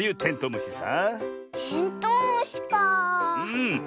うん。